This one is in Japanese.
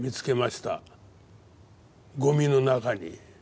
ゴミの中に。